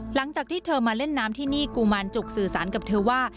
หลังจากที่เธอมาเล่นน้ำที่นี่กุมารจุกสื่อสารกับเธอว่า